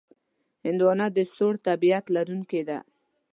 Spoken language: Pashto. هندوانه د سوړ طبیعت لرونکې ده.